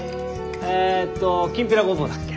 えっときんぴらごぼうだっけ？